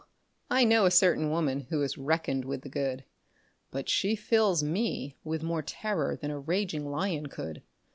I know a certain woman who is reckoned with the good, But she fills me with more terror than a raging lion could.